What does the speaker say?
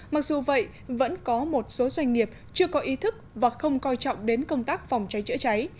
mặc dù vậy vẫn có một số doanh nghiệp chưa có ý thức và không coi trọng đến công tác phòng cháy chữa cháy